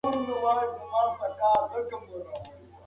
بلاغت د پیغام روح دی.